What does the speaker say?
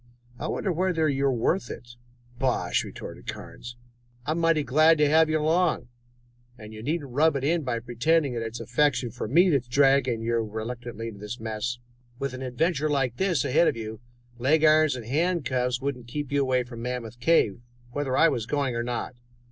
I wonder whether you are worth it?" "Bosh!" retorted Carnes. "I'm mighty glad to have you along, but you needn't rub it in by pretending that it is affection for me that is dragging you reluctantly into this mess. With an adventure like this ahead of you, leg irons and handcuffs wouldn't keep you away from Mammoth Cave, whether I was going or not."